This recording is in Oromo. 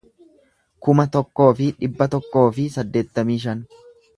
kuma tokkoo fi dhibba tokkoo fi saddeettamii shan